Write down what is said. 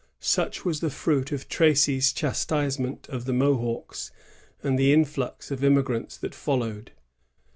Such was the fruit of Tracy's chastisement of the Mohawks, and the influx of immigrants that followed.